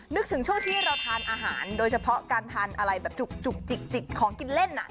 นึกถึงช่วงที่เราทานอาหารโดยเฉพาะการทานอะไรแบบจุกจิกของกินเล่น